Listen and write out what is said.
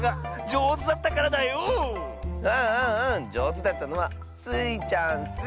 じょうずだったのはスイちゃんッス。